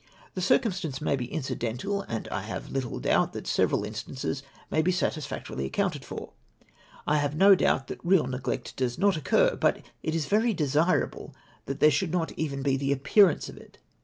The circumstance may be accidental, and I have little doubt that the several instances may be satisfactorily accounted for. ... 1 have no doubt that real neglect does not occiu , but it is very desirable that there should not be even the appearance of it.